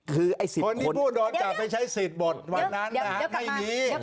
คือคนที่พูดโดนจับไปใช้สิทธิ์บทวันนั้นนะฮะไม่มี